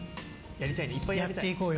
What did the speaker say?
やっていこうよ。